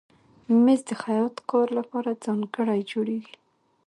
مېز د خیاط کار لپاره ځانګړی جوړېږي.